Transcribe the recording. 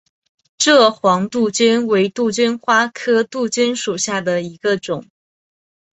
蔗黄杜鹃为杜鹃花科杜鹃属下的一个种。